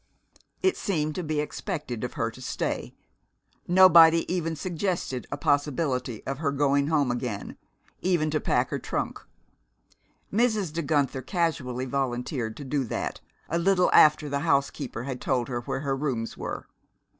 It seemed to be expected of her to stay. Nobody even suggested a possibility of her going home again, even to pack her trunk. Mrs. De Guenther casually volunteered to do that, a little after the housekeeper had told her where her rooms were.